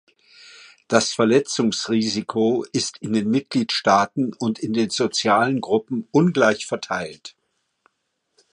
Das Verletzungsrisiko ist in den Mitgliedstaaten und in den sozialen Gruppen ungleich verteilt.